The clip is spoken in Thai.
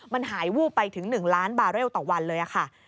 มันหายวูบไปถึง๑ล้านบาเรลต่อวันเลยค่ะ